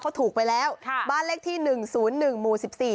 เขาถูกไปแล้วค่ะบ้านเลขที่หนึ่งศูนย์หนึ่งหมู่สิบสี่